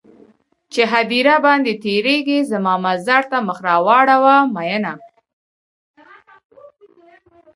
چې هديره باندې تيرېږې زما مزار ته مخ راواړوه مينه